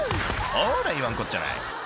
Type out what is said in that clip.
ほら言わんこっちゃない